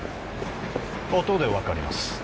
音で分かります